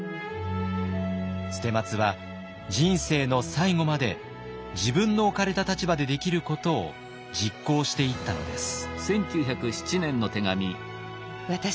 捨松は人生の最後まで自分の置かれた立場でできることを実行していったのです。